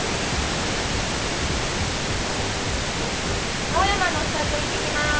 うん青山のスタジオ行ってきまーす